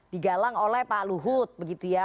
digalang oleh pak luhut begitu ya